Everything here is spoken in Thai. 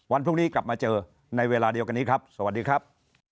วันพรุ่งนี้กลับมาเจอในเวลาเดียวกันนี้ครับสวัสดีครับ